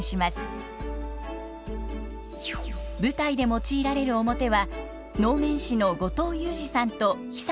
舞台で用いられる面は能面師の後藤祐自さんと尚志さん